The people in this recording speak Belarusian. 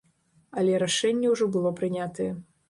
Але рашэнне ўжо было прынятае.